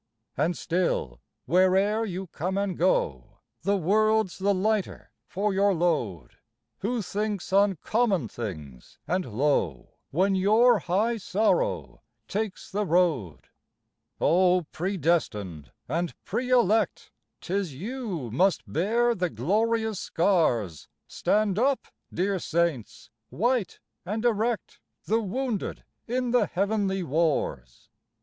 And still where'er you come and go The world's the lighter for your load. Who thinks on common things and low When your high sorrow takes the road ? 74 FLOWER OF YOUTH O predestined and pre elect 'Tis you must bear the glorious scars. Stand up, dear Saints, white and erect, The wounded in the heavenly wars.